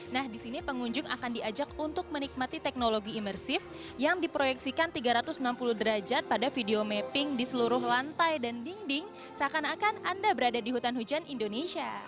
nah di sini pengunjung akan diajak untuk menikmati teknologi imersif yang diproyeksikan tiga ratus enam puluh derajat pada video mapping di seluruh lantai dan dinding seakan akan anda berada di hutan hujan indonesia